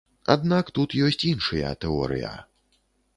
Аднак тут ёсць іншыя тэорыя.